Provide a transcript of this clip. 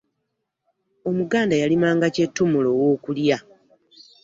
omuganda yalimanga kyetumula owokulya